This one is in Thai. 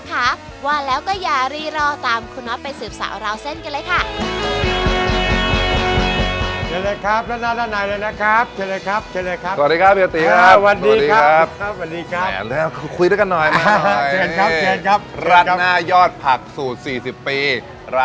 คำว่าแล้วก็อย่ารีรอตามคุณได้สามารถเลี่ยนกันนะคะ